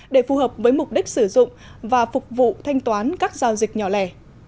để phù hợp với mục đích sử dụng và phục vụ thanh toán các giao dịch nhỏ lẻ